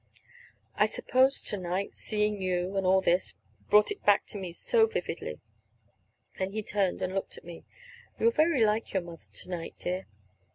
"I suppose to night, seeing you, and all this, brought it back to me so vividly." Then he turned and looked at me. "You are very like your mother to night, dear."